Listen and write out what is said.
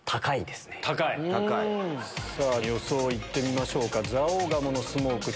さぁ予想行ってみましょうか。